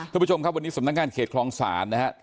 คุณผู้ชมครับวันนี้สำนักงานเขตคลองศาลนะครับ